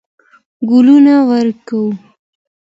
ګلونه وکرو.